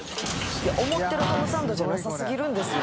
いや思ってるハムサンドじゃなさすぎるんですよ。